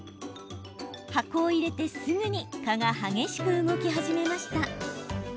箱を入れてすぐに蚊が激しく動き始めました。